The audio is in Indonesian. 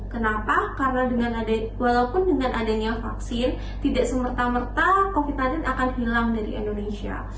kenapa karena walaupun dengan adanya vaksin tidak semerta merta covid sembilan belas akan hilang dari indonesia